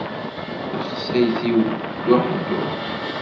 Taxsayt-iw duḥ duḥ.